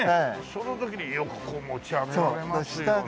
その時によくこう持ち上げられますよね。